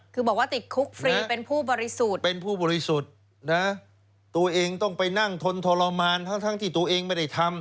คือบอกว่าติดคุกฟรีเป็นผู้บริสุทธิ์ตัวเองต้องไปนั่งทนทรมานทั้งที่ตัวเองไม่ได้ทำ